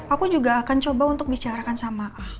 aku juga akan coba untuk bicarakan sama